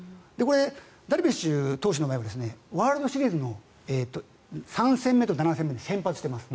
ダルビッシュ投手の場合はワールドシリーズの３戦目と７戦目に先発しています。